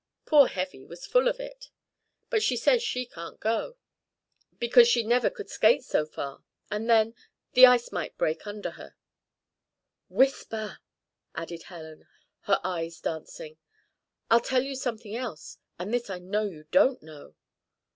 Poor Heavy was full of it; but she says she can't go because she never could skate so far. And then the ice might break under her." "Whisper!" added Helen, her eyes dancing. "I'll tell you something else and this I know you don't know!"